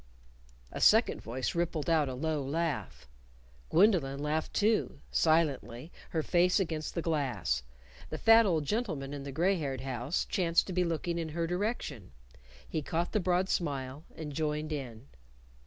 A second voice rippled out a low laugh. Gwendolyn laughed too, silently, her face against the glass. The fat old gentleman in the gray haired house chanced to be looking in her direction. He caught the broad smile and joined in.